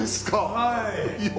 はい。